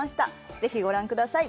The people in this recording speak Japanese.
ぜひご覧ください。